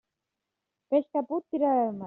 Peix que put, tira'l al mar.